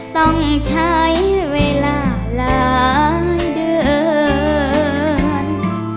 ต้องใช้เวลาหลายเดือน